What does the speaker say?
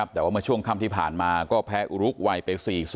แต่ว่าเมื่อช่วงค่ำที่ผ่านมาก็แพ้อุรุกวัยไป๔๐